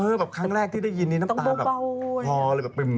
เออแบบครั้งแรกที่ได้ยินน้ำตาปริ่มกานจะร้องเลยอย่างเงี้ย